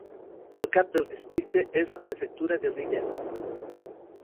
El cap del districte és la prefectura de Lilla.